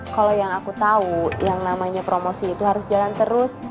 kalau yang aku tahu yang namanya promosi itu harus jalan terus